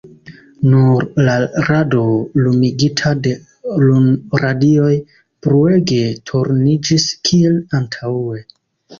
Nur la rado, lumigita de lunradioj, bruege turniĝis, kiel antaŭe.